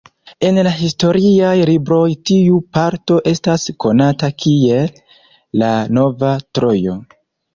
En la historiaj libroj tiu parto estas konata kiel "La nova Trojo".